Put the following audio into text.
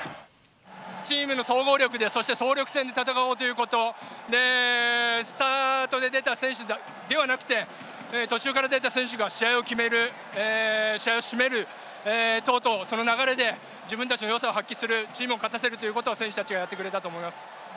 チームの総合力でそして、総力戦で戦うということスタートで出た選手ではなくて途中から出た選手が試合を決める試合を締める等々チームを勝たせるということを選手たちがやってくれたと思います。